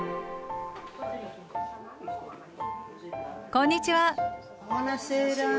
こんにちは。